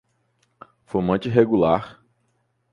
Fumante regular